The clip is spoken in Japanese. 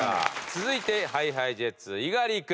続いてＨｉＨｉＪｅｔｓ猪狩君。